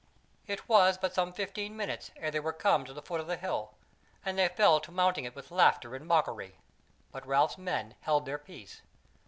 It was but some fifteen minutes ere they were come to the foot of the hill, and they fell to mounting it with laughter and mockery, but Ralph's men held their peace.